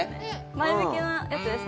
前向きなやつです